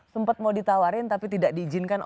sempat mau ditawarin tapi tidak diizinkan